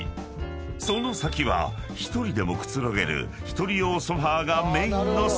［その先は１人でもくつろげる１人用ソファがメインのスペース］